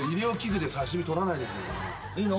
いいの？